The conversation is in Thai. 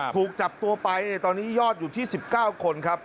ถูกจับตัวไปตอนนี้ยอดอยู่ที่๑๙คนครับ